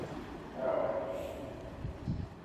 Habita en Punjab y Uttar Pradesh en la India.